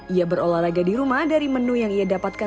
ia berolahraga di rumah dari menu yang ia dapatkan